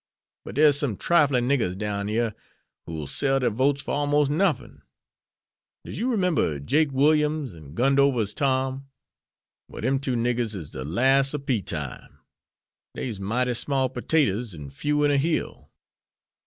But dere's some triflin' niggers down yere who'll sell der votes for almost nuffin. Does you 'member Jake Williams an' Gundover's Tom? Well dem two niggers is de las' ob pea time. Dey's mighty small pertaters an' few in a hill."